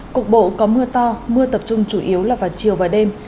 cục bộ có mưa to mưa tập trung chủ yếu là vào chiều và đêm